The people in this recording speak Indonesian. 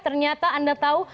ternyata anda tahu